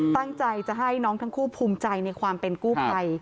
ตั้งใจจะให้น้องทั้งคู่ภูมิใจในความเป็นกู้ภัย